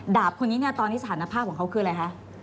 ดาบคนนี้ตอนที่สถานภาพของเขาคืออะไรครับ